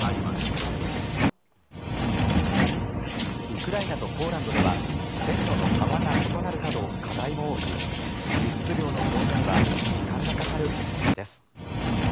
ウクライナとポーランドでは線路の幅が異なるなど課題も多く輸出量の増加には時間がかかる見通しです。